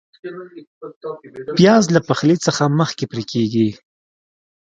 پیاز له پخلي نه مخکې پرې کېږي